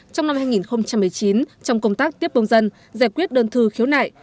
trong năm hai nghìn một mươi chín trong công tác tiếp công dân giải quyết đơn thư khiếu nại